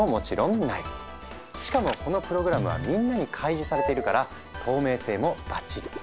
しかもこのプログラムはみんなに開示されているから透明性もばっちり。